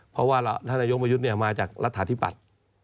เพราะว่าท่านนายกประยุทธเนี่ยมาจากรัฐฐาที่ปัด